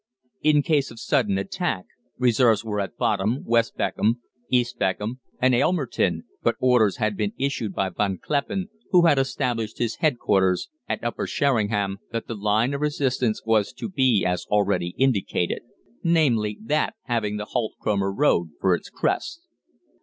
In case of sudden attack, reserves were at Bodham, West Beckham, East Beckham, and Aylmerton, but orders had been issued by Von Kleppen, who had established his headquarters at Upper Sheringham, that the line of resistance was to be as already indicated namely, that having the Holt Cromer Road for its crest.